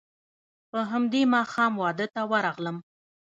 په همدې ماښام واده ته ورغلم.